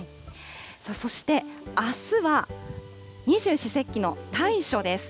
そして、あすは二十四節気の大暑です。